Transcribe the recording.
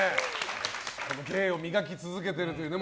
芸を磨き続けているというね。